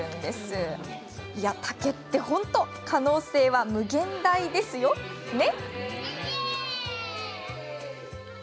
いやあ、竹って本当可能性は無限大ですよね。